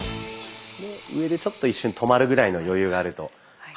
上でちょっと一瞬止まるぐらいの余裕があると。